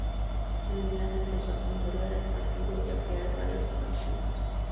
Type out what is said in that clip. El Milan empezó a controlar el partido y a crear varias ocasiones.